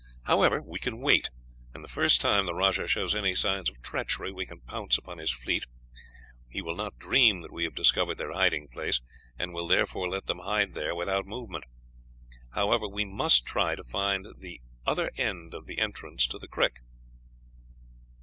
However, we can wait, and the first time the rajah shows any signs of treachery we can pounce upon his fleet. He will not dream that we have discovered their hiding place, and will therefore let them hide there without movement. However, we must try to find the ether end of the entrance to the creek.